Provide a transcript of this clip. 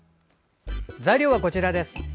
材料はこちらです。